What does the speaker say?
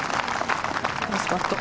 ナイスパット。